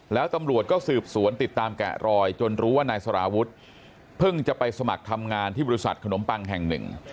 แล้วตำรวจก็สืบสวนติดตามแกะรอยจนรู้ว่านายสารวุฒิเพิ่งจะไปสมัครทำงานที่บริษัทขนมปังแห่งหนึ่ง